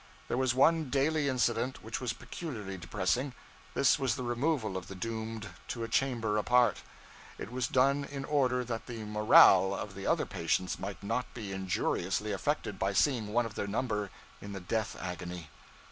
There was one daily incident which was peculiarly depressing: this was the removal of the doomed to a chamber apart. It was done in order that the _morale _of the other patients might not be injuriously affected by seeing one of their number in the death agony.